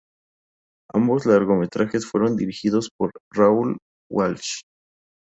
Ambos largometrajes fueron dirigidos por Raoul Walsh.